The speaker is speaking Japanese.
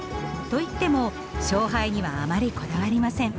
といっても勝敗にはあまりこだわりません。